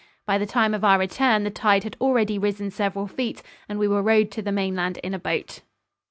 By the time of our return the tide had already risen several feet and we were rowed to the mainland in a boat.